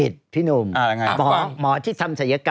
ดูในการเข็ม